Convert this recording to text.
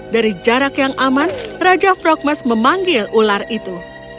dari jarak yang aman raja frogmas memanggil ular itu